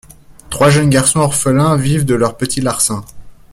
Trois jeunes garçons orphelins vivent de leurs petits larcins.